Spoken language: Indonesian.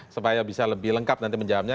supaya bisa lebih lengkap nanti menjawabnya